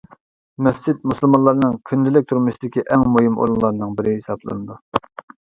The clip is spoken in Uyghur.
مەسچىت مۇسۇلمانلارنىڭ كۈندىلىك تۇرمۇشىدىكى ئەڭ مۇھىم ئورۇنلارنىڭ بىرى ھېسابلىنىدۇ.